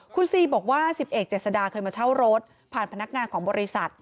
คุณซีบอกว่า๑๐เอกเจษดาเคยมาเช่ารถผ่านพนักงานของบริษัท